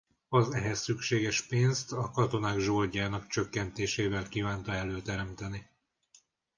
Az ehhez szükséges pénzt a katonák zsoldjának csökkentésével kívánta előteremteni.